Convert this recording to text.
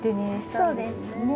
そうですね。